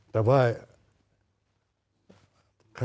แต่ว่า